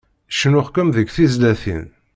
Cennuɣ-kem deg tizlatin.